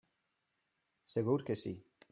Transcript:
Segur que sí.